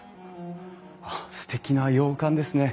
あっすてきな洋館ですね。